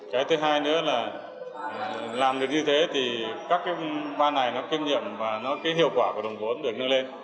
cái thứ hai nữa là làm được như thế thì các cái ban này nó kinh nghiệm và nó cái hiệu quả của đồng vốn được nâng lên